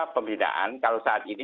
pembinaan kalau saat ini